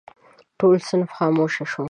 ټول صنف خاموش شو.